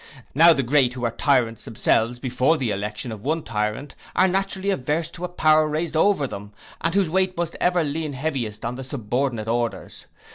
Now the great who were tyrants themselves before the election of one tyrant, are naturally averse to a power raised over them, and whose weight must ever lean heaviest on the subordinate orders.